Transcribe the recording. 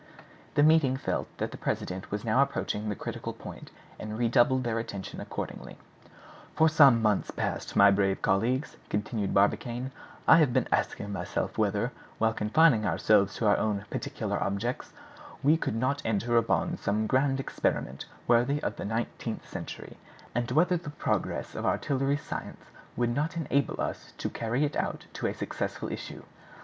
The meeting felt that the president was now approaching the critical point, and redoubled their attention accordingly. "For some months past, my brave colleagues," continued Barbicane, "I have been asking myself whether, while confining ourselves to our own particular objects, we could not enter upon some grand experiment worthy of the nineteenth century; and whether the progress of artillery science would not enable us to carry it out to a successful issue.